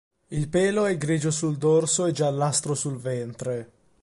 Il pelo è grigio sul dorso e giallastro sul ventre.